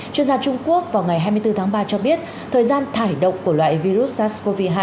chuyên gia trung quốc vào ngày hai mươi bốn tháng ba cho biết thời gian thải động của loại virus sars cov hai